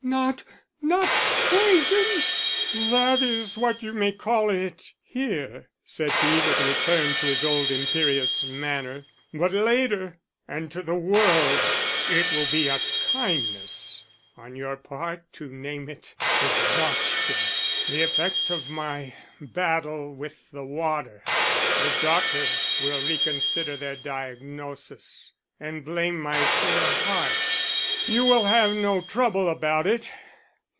"Not not poison!" "That is what you may call it here," said he, with a return to his old imperious manner, "but later and to the world it will be kindness on your part to name it exhaustion the effect of my battle with the water. The doctors will reconsider their diagnosis and blame my poor heart. You will have no trouble about it.